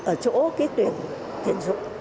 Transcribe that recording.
ở chỗ tuyển sinh